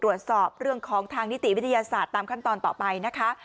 ตรวจสอบเรื่องของทางนิติวิทยาศาสตร์ตามขั้นตอนต่อไปนะคะ